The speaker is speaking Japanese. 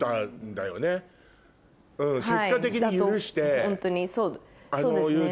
結果的に許して。